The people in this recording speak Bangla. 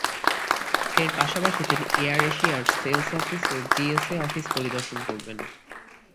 এর পাশাপাশি তিনি এয়ার এশিয়ার সেলস অফিস ও জিএসএ অফিস পরিদর্শন করবেন।